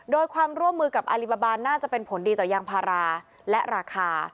โดยความร่วมมือกับอลิบาบาลน่าจะเป็นผลดีต่อยางพาราและราคา